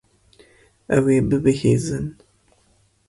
Ew ê bibihîzin.